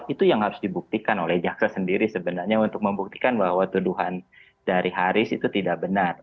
itu yang harus dibuktikan oleh jaksa sendiri sebenarnya untuk membuktikan bahwa tuduhan dari haris itu tidak benar